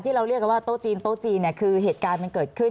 เราเรียกกันว่าโต๊ะจีนโต๊ะจีนเนี่ยคือเหตุการณ์มันเกิดขึ้น